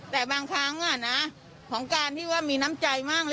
แต่บางครั้งของการที่ว่ามีน้ำใจมากเลย